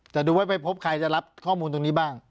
แต่ดูว่าไปพบใครจะรับข้อมูลตรงนี้บ้าง